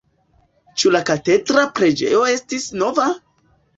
Ĉu la katedra preĝejo estis nova?